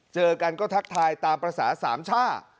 เจอกันก็ทักทายตามภาษาสามช่า